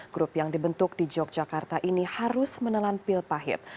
grup yang dibentuk di yogyakarta ini harus menelan pil pahit